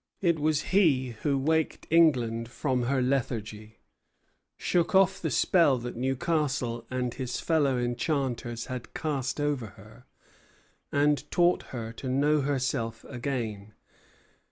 It was he who waked England from her lethargy, shook off the spell that Newcastle and his fellow enchanters had cast over her, and taught her to know herself again.